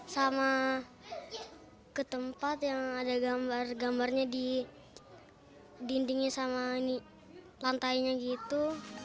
sama ke tempat yang ada gambar gambarnya di dindingnya sama lantainya gitu